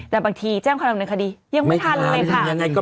แต่บางทีแจ้งความดำเนินคดียังไม่ทันเลยค่ะ